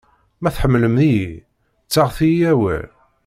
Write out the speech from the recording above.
Ma tḥemmlem-iyi, ttaɣet-iyi awal.